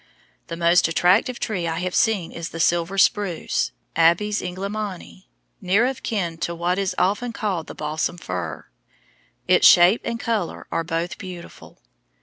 The most attractive tree I have seen is the silver spruce, Abies Englemanii, near of kin to what is often called the balsam fir. Its shape and color are both beautiful.